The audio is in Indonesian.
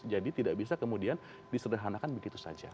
jadi tidak bisa kemudian disederhanakan begitu saja